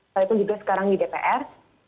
walaupun juga sekarang di dpr